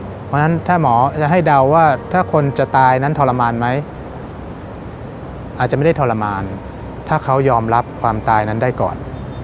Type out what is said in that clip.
เพราะฉะนั้นถ้าหมอจะให้เดาว่าถ้าคนจะตายนั้นทรมานไหมอาจจะไม่ได้ทรมานถ้าเขายอมรับความตายนั้นได้ก่อน